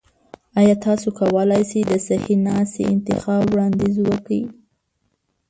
ایا تاسو کولی شئ د صحي ناستي انتخاب وړاندیز وکړئ؟